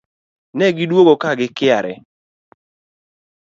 Ne gi duogo ka gikiare